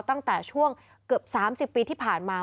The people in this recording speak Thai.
ตั้งแต่ช่วงเกือบ๓๐ปีที่ผ่านมา